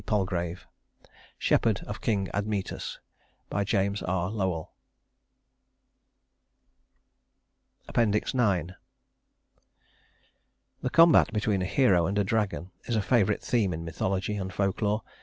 PALGRAVE Shepherd of King Admetus JAMES R. LOWELL IX The combat between a hero and a dragon is a favorite theme in mythology and folklore.